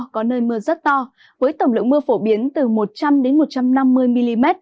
có nơi mưa rất to với tổng lượng mưa phổ biến từ một trăm linh một trăm năm mươi mm